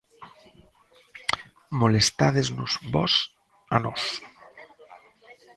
Molestádesnos vós a nós.